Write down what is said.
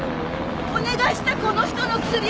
お願いしたこの人の薬